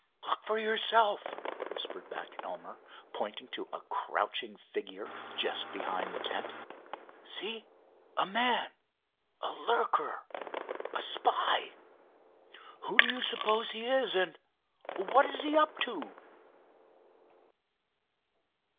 "Look for yourself," whispered back Elmer, pointing to a crouching figure just behind the tent. "See—a man, a lurker, a spy! Who do you suppose he is; and what is he up to?"